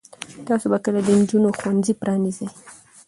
تاسو به کله د نجونو ښوونځي پرانیزئ؟